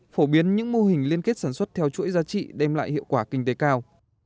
phổ biến những mô hình liên kết sản xuất theo chuỗi giá trị đem lại hiệu quả kinh tế cao